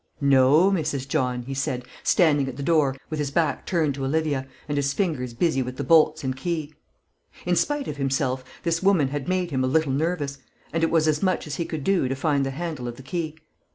"No, Mrs. John," he said, standing at the door, with his back turned to Olivia, and his fingers busy with the bolts and key. In spite of himself, this woman had made him a little nervous, and it was as much as he could do to find the handle of the key.